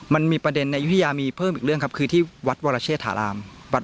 มันมีประเด็นในยุธยามีเพิ่มอีกเรื่องครับคือที่วัดวรเชษฐาราม